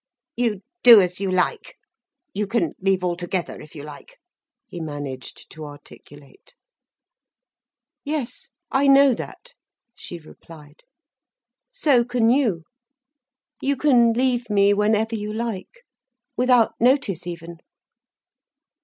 "You do as you like—you can leave altogether if you like," he managed to articulate. "Yes, I know that," she replied. "So can you. You can leave me whenever you like—without notice even."